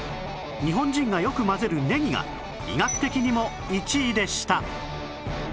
日本人がよく混ぜるねぎが医学的にも１位でした